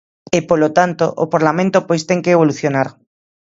E, polo tanto, o parlamento pois ten que evolucionar.